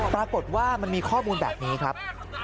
ปรากฏว่ามันมีข้อมูลแบบนี้ครับ